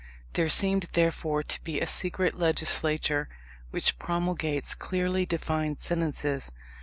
There seemed, therefore, to be a secret legislature which promulgates clearly defined sentences.